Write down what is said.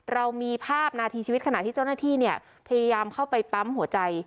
เรามีภาพนาทีชีวิตขณะที่เจ้าหน้าที่เนี่ยพยายามเข้าไปปั๊มหัวใจ